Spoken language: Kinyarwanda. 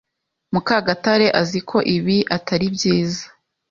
Mukagatare azi ko ibi atari byiza.